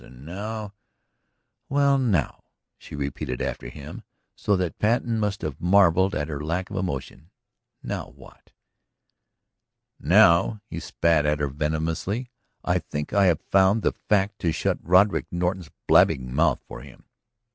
And now ..." "Well, now?" she repeated after him, so that Patten must have marvelled at her lack of emotion. "Now what?" "Now," he spat at her venomously, "I think I have found the fact to shut Roderick Norton's blabbing mouth for him!"